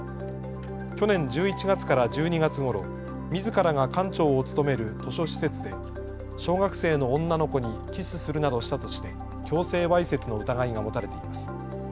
去年１１月から１２月ごろみずからが館長を務める図書施設で小学生の女の子にキスするなどしたとして強制わいせつの疑いが持たれています。